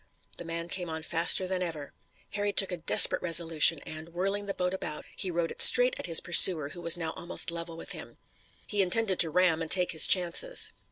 The man came on faster than ever. Harry took a desperate resolution, and, whirling his boat about, he rowed it straight at his pursuer, who was now almost level with him. He intended to ram and take his chances.